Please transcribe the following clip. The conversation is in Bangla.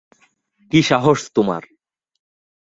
কি সাহস তোমার!